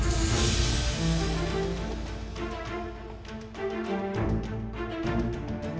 kini kita akan nikmati sepuluh hidup yang akan ada di sekitar mereka